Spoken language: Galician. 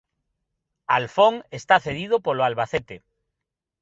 Alfón está cedido polo Albacete.